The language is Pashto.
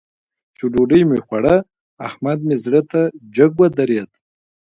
چې ډوډۍ مې خوړه؛ احمد مې زړه ته جګ ودرېد.